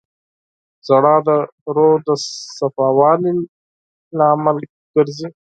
• ژړا د روح د صفا والي لامل ګرځي.